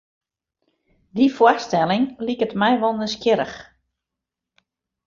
Dy foarstelling liket my wol nijsgjirrich.